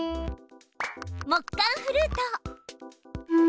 木管フルート。